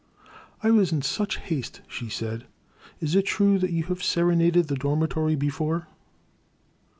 I was in such haste," she said. Is it trae that you have serenaded the dormitory before